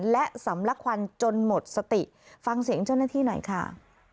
และสำลักควันจนหมดสติฟังเสียงเจ้าหน้าที่หน่อยค่ะ